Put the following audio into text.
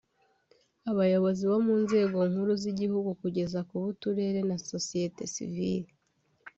Abayobozi bo mu nzego nkuru z’igihugu kugeza ku b’Uturere na Sosiyete Sivile